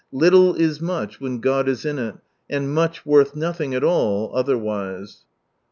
"Little is much when God is in it," and niuth, worth nothing at all, otherwise.